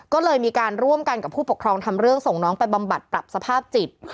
ก็เลยมีการร่วมกันกับผู้ปกครองทำเรื่องส่งน้องไปบำบัดปรับสภาพจิต